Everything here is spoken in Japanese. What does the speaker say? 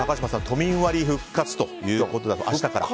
都民割復活ということで明日から。